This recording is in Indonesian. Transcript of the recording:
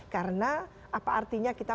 karena apa artinya kita